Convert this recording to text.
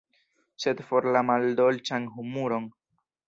Sed for la maldolĉan humuron!